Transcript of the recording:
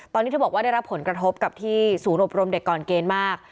ตอนนี้เธอบอกว่าได้รับผลกระทบกับที่ศูนย์อบรมเด็กก่อนเกณฑ์มาก